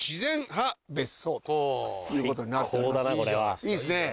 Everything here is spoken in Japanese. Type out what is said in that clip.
いいですね。